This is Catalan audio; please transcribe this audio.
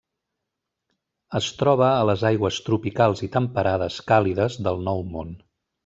Es troba a les aigües tropicals i temperades càlides del Nou Món.